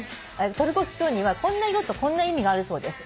「トルコキキョウにはこんな色とこんな意味があるそうです」